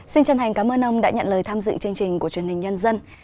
xin chân thành cảm ơn ông đã nhận lời tham dự chương trình của truyền hình nhân dân